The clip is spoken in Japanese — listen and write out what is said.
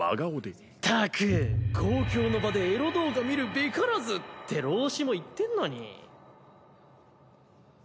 ったく「公共の場でエロ動画見るべからず」って老子も言ってんのに。